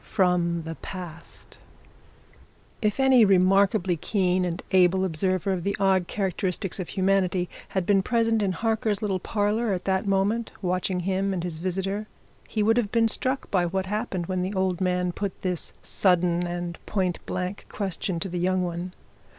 FROM THE PAST If any remarkably keen and able observer of the odd characteristics of humanity had been present in Harker's little parlour at that moment, watching him and his visitor, he would have been struck by what happened when the old man put this sudden and point blank question to the young one.